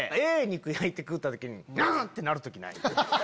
肉焼いて食った時にうぅん！ってなる時ない？